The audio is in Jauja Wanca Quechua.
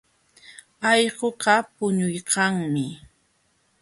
Allquqa puñuykanmi.